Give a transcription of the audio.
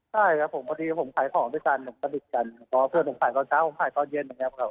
ใช่ครับผมพอดีผมขายของด้วยกันเพื่อนผมขายตอนเช้าผมขายตอนเย็น